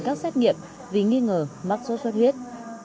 bác sĩ đã được xét nghiệm vì nghi ngờ mắc xuất xuất huyết